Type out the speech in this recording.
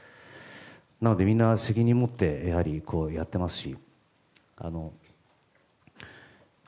なので、みんな責任を持ってやってますし。